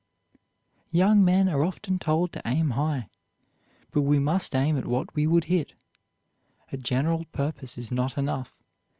Young men are often told to aim high, but we must aim at what we would hit. A general purpose is not enough.